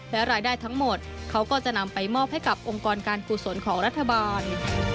และรายได้ทั้งหมดเขาก็จะนำไปมอบให้กับองค์กรการกุศลของรัฐบาล